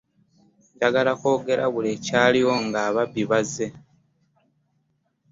Njagala kwogera buli kyaliwo nga ababbi baze.